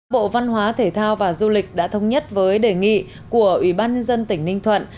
bộ văn hóa thể thao và du lịch đã thông nhất với đề nghị của ủy ban nhân dân tỉnh ninh thuận